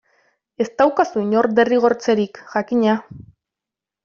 Ez daukazu inor derrigortzerik, jakina.